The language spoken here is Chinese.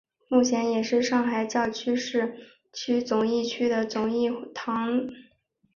目前也是上海教区市区总铎区的总铎座堂。